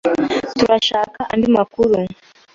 Turashaka andi makuru.